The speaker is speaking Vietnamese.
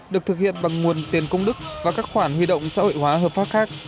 được thực hiện bằng nguồn tiền công đức và các khoản huy động xã hội hóa hợp pháp khác